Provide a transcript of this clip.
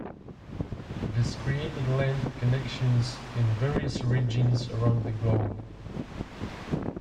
This created land connections in various regions around the globe.